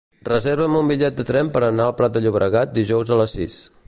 Reserva'm un bitllet de tren per anar al Prat de Llobregat dijous a les sis.